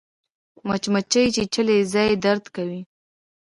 مچمچۍ چیچلی ځای درد کوي